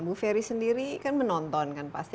bu ferry sendiri kan menonton kan pasti